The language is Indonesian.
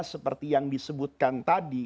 seperti yang disebutkan tadi